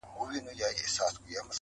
چي دا وږي د وطن په نس ماړه وي,